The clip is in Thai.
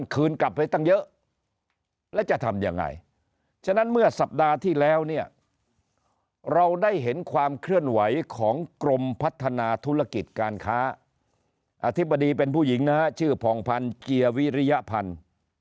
คืนกลับไปตั้งเยอะแล้วจะทำยังไงฉะนั้นเมื่อสัปดาห์ที่แล้วเนี่ยเราได้เห็นความเคลื่อนไหวของกรมพัฒนาธุรกิจการค้าอธิบดีเป็นผู้หญิงนะฮะชื่อผ่องพันธ์เกียวิริยพันธ์